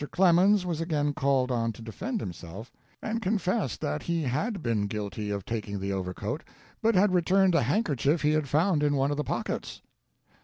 Clemens was again called on to defend himself, and confessed that he had been guilty of taking the overcoat, but had returned a handkerchief he had found in one of the pockets.